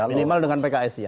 minimal dengan pks ya